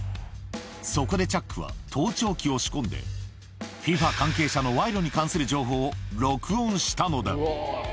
そこでチャックは盗聴器を仕込んで、ＦＩＦＡ関係者の賄賂に関する情報を録音したのだ。